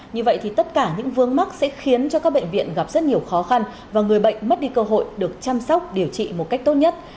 như vậy thì tất cả những vướng mắt sẽ khiến cho các bệnh viện gặp rất nhiều khó khăn và người bệnh mất đi cơ hội được chăm sóc điều trị một cách tốt nhất